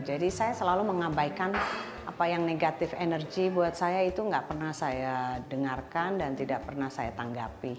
jadi saya selalu mengabaikan apa yang negatif energi buat saya itu gak pernah saya dengarkan dan tidak pernah saya tanggapi